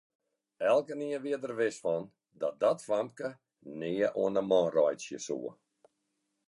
Elkenien wie der wis fan dat dat famke nea oan 'e man reitsje soe.